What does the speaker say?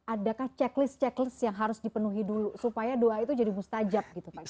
adakah checklist checklist yang harus dipenuhi dulu supaya doa itu jadi mustajab gitu pak